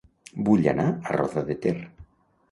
Vull anar a Roda de Ter